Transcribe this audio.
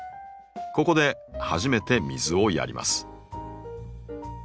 ここで初めて水をやります。